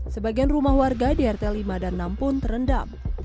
sebagian rumah warga di rt lima dan enam pun terendam